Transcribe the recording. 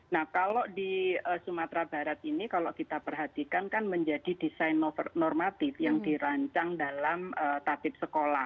nah kalau di sumatera barat ini kalau kita perhatikan kan menjadi desain normatif yang dirancang dalam tatip sekolah